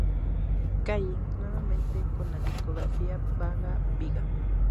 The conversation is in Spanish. Calling", nuevamente con la discografía "Baga-Biga".